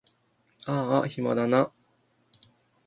あーあ暇だな